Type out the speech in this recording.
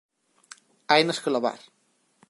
Hainas que lavar